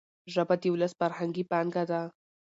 ژبه د ولس فرهنګي پانګه ده.